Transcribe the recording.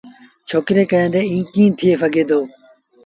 ڇوڪري ڪيآݩدي تا ايٚ ڪيٚݩ ٿئي سگھي دو